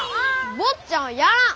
坊ちゃんはやらん！